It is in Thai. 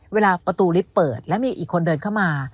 เวลาประตูลิฟต์เปิดแล้วมีอีกคนเดินเข้ามา